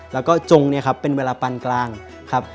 แล้วก็จงเนี่ยครับเป็นเวลาปันกลางครับ